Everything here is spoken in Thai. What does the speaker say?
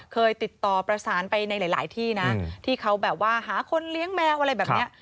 เคยติดต่อประสานไปในหลายที่นะที่เขาแบบว่าหาคนเลี้ยงแมวอะไรแบบนี้